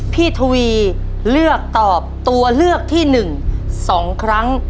พี่ทวีเลือกตอบตัวเลือกที่หนึ่งสองครั้ง